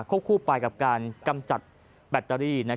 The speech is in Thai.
คู่ไปกับการกำจัดแบตเตอรี่